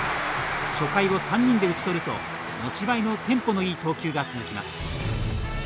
初回を３人で打ち取ると持ち前のテンポのいい投球が続きます。